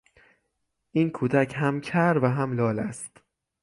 این کودک هم کر و هم لال است.